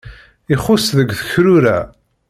Ixuṣṣ deg tekrura.